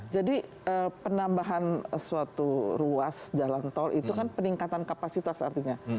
jadi penambahan suatu ruas jalan tol itu kan peningkatan kapasitas artinya